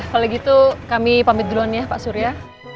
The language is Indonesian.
kalau gitu kami pamit drone ya pak surya